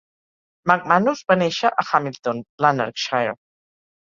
McManus va néixer a Hamilton, Lanarkshire.